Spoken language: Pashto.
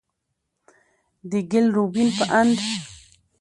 د ګيل روبين په اند،